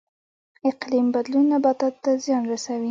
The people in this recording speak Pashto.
اقلیم بدلون نباتاتو ته زیان رسوي